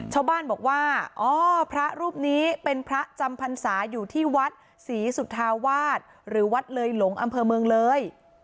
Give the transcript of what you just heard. ชาวบ้านบอกว่าอ๋อพระรูปนี้เป็นพระจำพรรษาอยู่ที่วัดศรีสุธาวาสหรือวัดเลยหลงอำเภอเมืองเลย